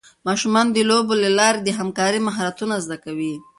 ماشومان د لوبو له لارې د همکارۍ مهارتونه زده کوي.